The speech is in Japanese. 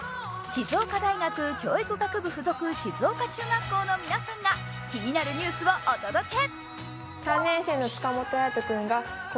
静岡大学教育学部附属静岡中学校の皆さんが気になるニュースをお届け。